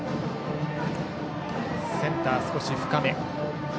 センターは少し深め。